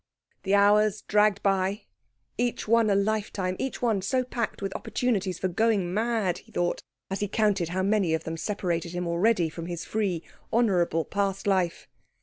The hours dragged by, each one a lifetime, each one so packed with opportunities for going mad, he thought, as he counted how many of them separated him already from his free, honourable past life.